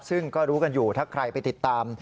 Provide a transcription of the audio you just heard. ซึ่งก็รู้กันอยู่ถ้าใครไปติดตาม